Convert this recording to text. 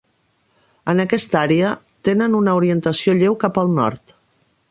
En aquesta àrea, tenen una orientació lleu cap al nord.